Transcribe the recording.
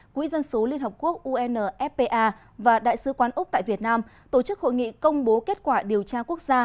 quỹ dân số liên hợp quốc unfpa và đại sứ quán úc tại việt nam tổ chức hội nghị công bố kết quả điều tra quốc gia